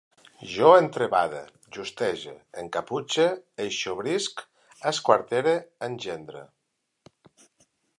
Jo entrebade, justege, encaputxe, eixobrisc, esquartere, engendre